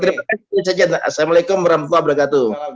assalamu'alaikum warahmatullahi wabarakatuh